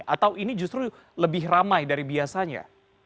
atau ini justru lebih ramai dari biasanya